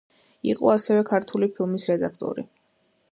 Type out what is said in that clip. იყო ასევე „ქართული ფილმის“ რედაქტორი.